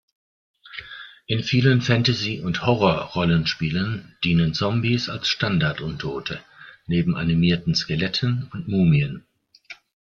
In vielen Fantasy- und Horror-Rollenspielen dienen Zombies als „Standard-Untote“, neben animierten Skeletten und Mumien.